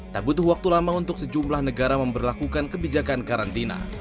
tak butuh waktu lama untuk sejumlah negara memperlakukan kebijakan karantina